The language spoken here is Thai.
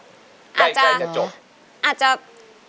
ใกล้จะจบ